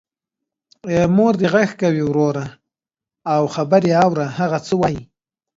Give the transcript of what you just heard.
مور دی غږ کوې وروره او خبر یې اوره هغه څه وايي.